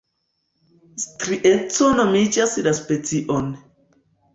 Strieco nomigas la specion.